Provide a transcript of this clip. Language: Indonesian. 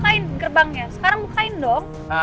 bukain gerbangnya sekarang bukain dong